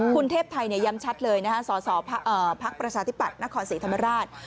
คุณเทพไทยย้ำชัดเลยสศภักดิ์ประชาธิบัตินครศรีธรรมราช